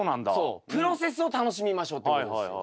プロセスを楽しみましょうっていうことですよ。